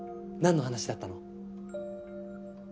なんの話だったの？